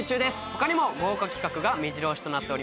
他にも豪華企画がめじろ押しとなっております。